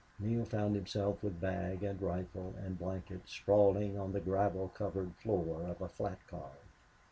Neale found himself with bag and rifle and blanket sprawling on the gravel covered floor of a flat car.